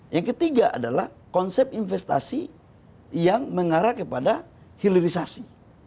yang ketiga adalah konsep investasi yang mengarah kepada hilirisasi